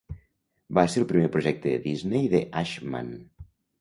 Va ser el primer projecte de Disney de Ashman.